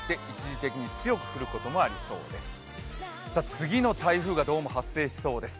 次の台風がどうも発生しそうです。